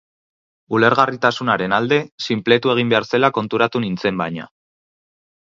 Ulergarritasunaren alde, sinpletu egin behar zela konturatu nintzen, baina.